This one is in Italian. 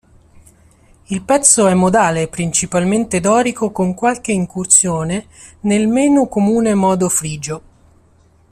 Il pezzo è modale, principalmente dorico con qualche incursione nel meno comune modo frigio.